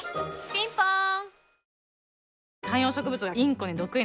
ピンポーン